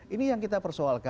ini yang kita persoalkan